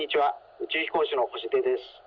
宇宙飛行士の星出です。